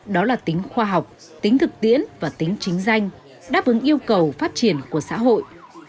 đó là tính khoa học tính thực tiễn và tính chính danh đáp ứng yêu cầu phát triển của xã hội